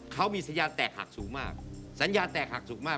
เขามีสัญญาณแตกหักสูงมากสัญญาณแตกหักสูงมาก